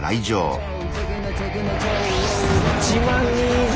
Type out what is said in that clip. １万人以上！